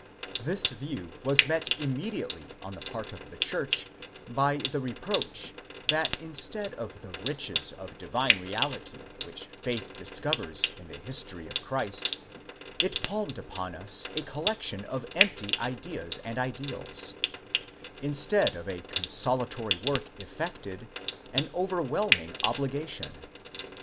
® This view was met immediately on the part of the church by the reproach, that instead of the riches of divine reality which faith discovers in the history of Christ, it palmed upon us a collection of empty ideas and ideals; instead of a consolatory work effected, an overwhelming obligation.